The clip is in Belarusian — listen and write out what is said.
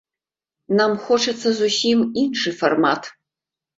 Нам хочацца зусім іншы фармат.